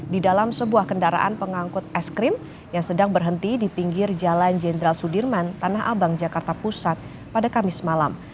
di dalam sebuah kendaraan pengangkut es krim yang sedang berhenti di pinggir jalan jenderal sudirman tanah abang jakarta pusat pada kamis malam